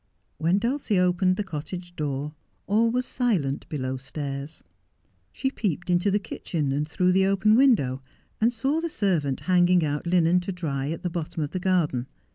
When Dulcie opened the cottage door all was silent below stairs, She peeped into the kitchen and through the open window, and saw the servant hanging out linen to dry at the bottom of the garden.